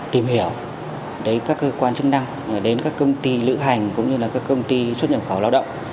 tìm hiểu đến các cơ quan chức năng đến các công ty lữ hành cũng như là các công ty xuất nhập khẩu lao động